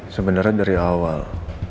sebenarnya dari awal